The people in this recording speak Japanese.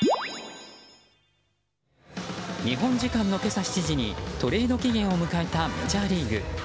日本時間の今朝７時にトレード期限を迎えたメジャーリーグ。